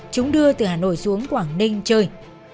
chúng đưa từ hà nội xuống quảng ninh chơi